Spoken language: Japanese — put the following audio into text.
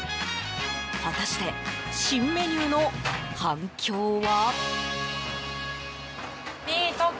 果たして、新メニューの反響は？